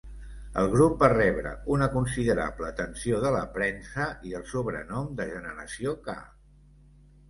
El grup va rebre una considerable atenció de la premsa i el sobrenom de "Generació K".